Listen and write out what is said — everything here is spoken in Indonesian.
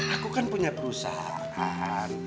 aku kan punya perusahaan